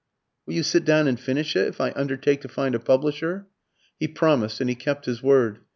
"Will you sit down and finish it, if I undertake to find a publisher?" He promised, and he kept his word.